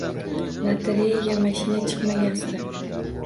Lotereyaga mashina chiqmagan sira.